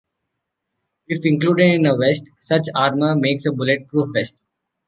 If included in a vest, such armor makes a bullet-proof vest.